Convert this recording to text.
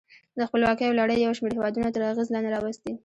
د خپلواکیو لړۍ یو شمیر هېودونه تر اغېز لاندې راوستي.